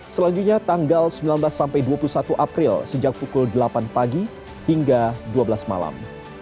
selanjutnya tanggal sembilan belas sampai dua puluh satu april sejak pukul delapan pagi hingga dua belas malam